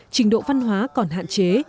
trình độ văn hóa còn hạn chế